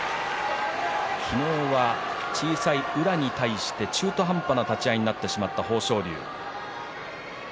昨日は小さい宇良に対して中途半端な立ち合いになってしまった、豊昇龍。